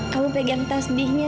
kamu pegang tasbihnya